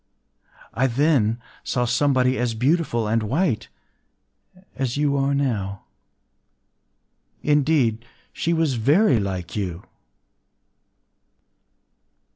I then saw somebody as beautiful and white as you are now—indeed, she was very like you.